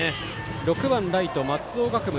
６番ライト、松尾学武。